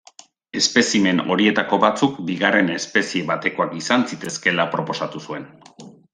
Espezimen horietako batzuk bigarren espezie batekoak izan zitezkeela proposatu zuen.